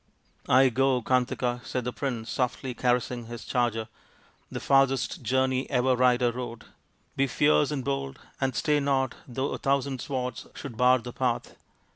" I go, Kantaka," said the prince, softly caressing his charger, " the farthest journey ever rider rode. Be fierce and bold and stay not though a thousand swords should bar the path.